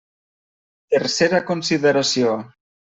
Tercera consideració.